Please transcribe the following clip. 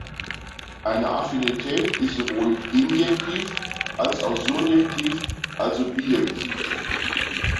Eine Affinität ist sowohl injektiv als auch surjektiv, also bijektiv.